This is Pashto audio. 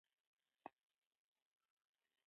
ایا ستاسو اسمان به شین وي؟